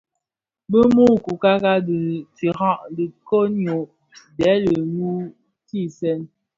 Bi mü coukaka dhi tihaň dhi koň nyô-ndhèti wu bisèè.